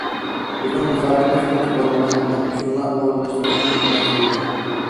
بىزنىڭ مۇساپىمىز ئېنىق بولمىغان، مەن ئۈچۈنلا ئورۇنلاشتۇرۇلغان بىر مەنزىل ئىدى.